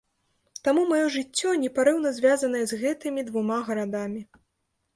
Таму маё жыццё непарыўна звязанае з гэтымі двума гарадамі.